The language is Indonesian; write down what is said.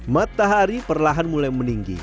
matahari perlahan mulai meninggi